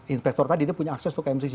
inspektor tadi itu punya akses ke mcc